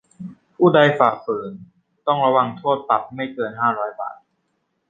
ผู้ใดฝ่าฝืน ต้องระวางโทษปรับไม่เกินห้าร้อยบาท